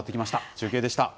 中継でした。